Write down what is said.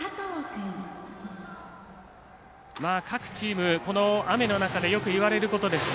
各チーム、雨の中でよく言われることですが